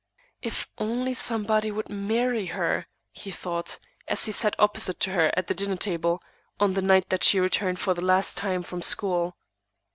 "If only somebody would marry her!" he thought, as he sat opposite to her at the dinner table, on the night that she returned for the last time from school.